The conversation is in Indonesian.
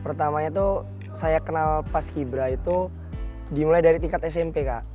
pertamanya itu saya kenal pask ibra itu dimulai dari tingkat smp kak